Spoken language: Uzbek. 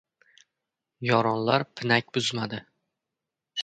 Yoronlar pinak buzmadi.